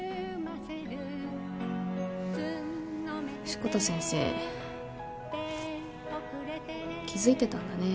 志子田先生気付いてたんだね。